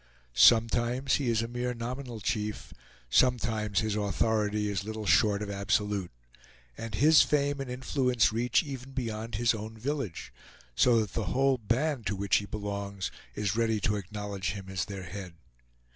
Sometimes he is a mere nominal chief; sometimes his authority is little short of absolute, and his fame and influence reach even beyond his own village; so that the whole band to which he belongs is ready to acknowledge him as their head.